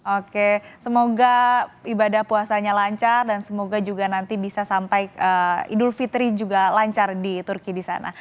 oke semoga ibadah puasanya lancar dan semoga juga nanti bisa sampai idul fitri juga lancar di turki di sana